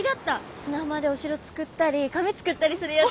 砂浜でお城作ったり亀作ったりするやつ。